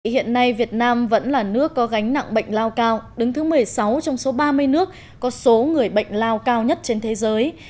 hiện nay việt nam vẫn là nước có gánh nặng bệnh lao cao đứng thứ một mươi sáu trong số ba mươi nước có số người bệnh lao cao nhất trên thế giới